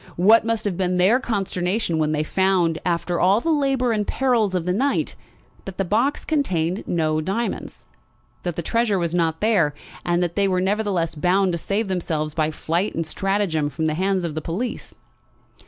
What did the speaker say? What must have been their consternation when they found, after all the labour and perils of the night, that the box contained no diamonds, that the treasure was not there, and that they were nevertheless bound to save themselves by flight and stratagem from the hands of the police!